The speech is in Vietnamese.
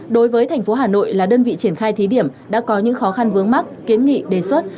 đối với thành phố hà nội là đơn vị triển khai thí điểm đã có những khó khăn vướng mắt kiến nghị đề xuất